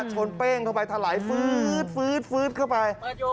ชนเป้งเข้าไปถลายฟื้ดฟื้ดฟื้ดเข้าไป